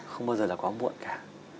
không bao giờ là quá muộn cả